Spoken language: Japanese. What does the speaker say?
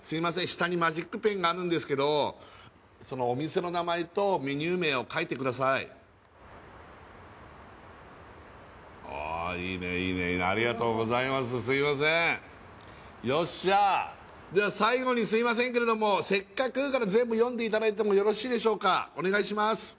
下にマジックペンがあるんですけどそのああいいねいいねいいねありがとうございますすいませんよっしゃでは最後にすいませんけれども「せっかく」から全部読んでいただいてもよろしいでしょうかお願いします